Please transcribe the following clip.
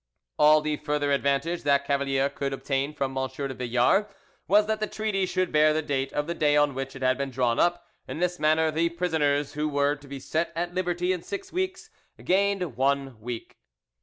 All the further advantage that Cavalier could obtain from M. de Villars was that the treaty should bear the date of the day on which it had been drawn up; in this manner the prisoners who were to be set at liberty in six weeks gained one week.